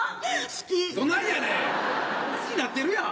好きなってるやん。